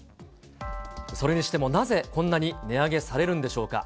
それにしてもなぜこんなに値上げされるんでしょうか。